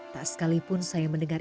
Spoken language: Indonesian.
tak sekalipun saya mendengar